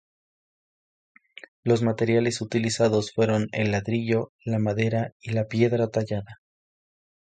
Los materiales utilizados fueron el ladrillo, la madera y la piedra tallada.